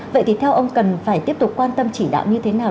vậy thì theo ông cần phải tiếp tục quan tâm chỉ đạo như thế nào